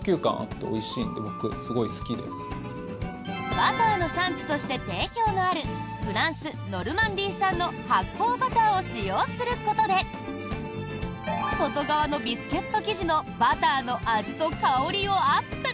バターの産地として定評のあるフランス・ノルマンディー産の発酵バターを使用することで外側のビスケット生地のバターの味と香りをアップ！